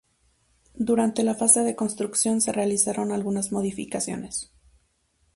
Durante la fase de construcción se realizaron algunas modificaciones.